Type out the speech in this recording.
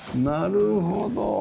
なるほど。